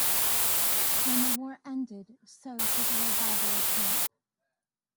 When the war ended, so did the revival of hemp.